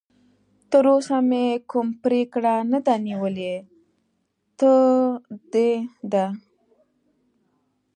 تراوسه مې کوم پرېکړه نه ده نیولې، ته د ده.